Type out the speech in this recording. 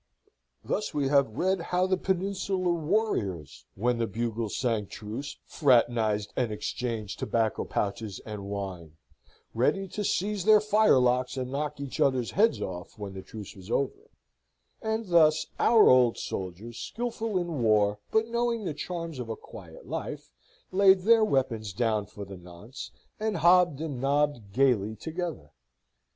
Thus we have read how the Peninsular warriors, when the bugles sang truce, fraternised and exchanged tobacco pouches and wine, ready to seize their firelocks and knock each other's heads off when the truce was over; and thus our old soldiers, skilful in war, but knowing the charms of a quiet life, laid their weapons down for the nonce, and hob and nobbed gaily together.